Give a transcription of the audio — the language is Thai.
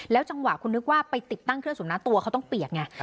จังหวะคุณนึกว่าไปติดตั้งเครื่องสุนัขตัวเขาต้องเปียกไง